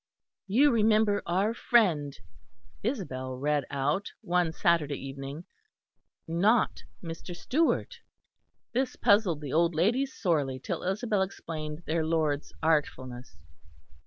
"You remember our friend," Isabel read out one Saturday evening, "not Mr. Stewart." (This puzzled the old ladies sorely till Isabel explained their lord's artfulness.)